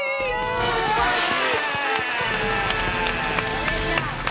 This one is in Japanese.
お姉ちゃん。